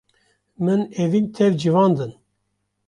Min evîn tev civandin.